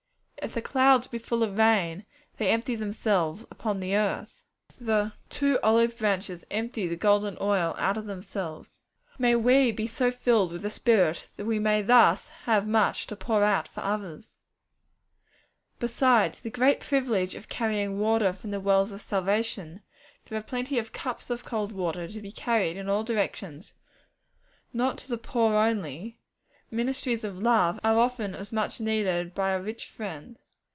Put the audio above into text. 'If the clouds be full of rain, they empty themselves upon the earth.' The 'two olive branches empty the golden oil out of themselves.' May we be so filled with the Spirit that we may thus have much to pour out for others! Besides the great privilege of carrying water from the wells of salvation, there are plenty of cups of cold water to be carried in all directions; not to the poor only, ministries of love are often as much needed by a rich friend.